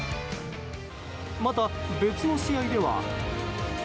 また別の試合では。